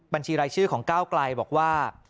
บัญชีรายชื่อของก้าวไกลบอกว่า